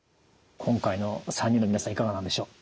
今回の３人の皆さんいかがなんでしょう？